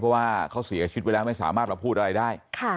เพราะว่าเขาเสียชีวิตไปแล้วไม่สามารถมาพูดอะไรได้